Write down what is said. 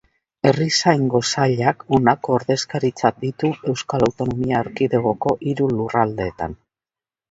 Herrizaingo Sailak honako ordezkaritzak ditu Euskal Autonomia Erkidegoko hiru lurraldeetan.